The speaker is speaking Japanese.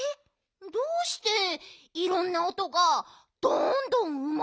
どうしていろんなおとがどんどんうまれるんだろう？